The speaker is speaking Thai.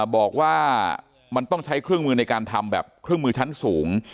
บอกว่ามันต้องใช้เครื่องมือในการทำแบบเครื่องมือชั้นสูง